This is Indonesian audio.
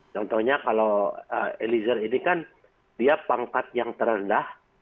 contohnya kalau eliezer ini kan dia pangkat yang terendah